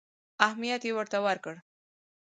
اهمیت یې ورته ورکړ.